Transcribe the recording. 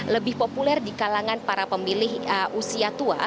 lebih populer di kalangan para pemilih usia tua